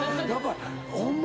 ホンマ